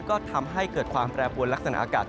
ก็ทำให้เกิดความแปรปวนลักษณะอากาศ